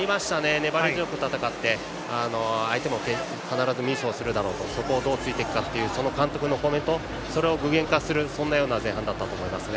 粘り強く戦って相手も必ずミスをするだろうとそこをどう突くかその監督のコメントそれを具現化するような前半だったと思います。